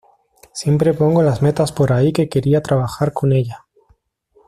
Siempre pongo las metas por ahí que quería trabajar con ella.